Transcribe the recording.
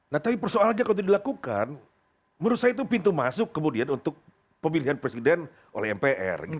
nah tapi persoalannya kalau dilakukan menurut saya itu pintu masuk kemudian untuk pemilihan presiden oleh mpr gitu